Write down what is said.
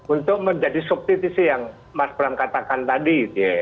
untuk menjadi substitusi yang mas bram katakan tadi